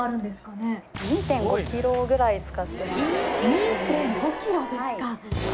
２．５キロですか。